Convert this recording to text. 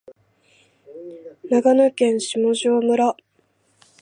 長野県下條村